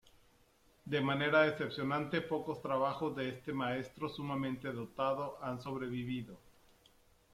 De manera decepcionante pocos trabajos de este maestro sumamente dotado han sobrevivido.